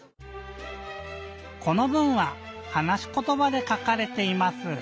この文は「はなしことば」でかかれています。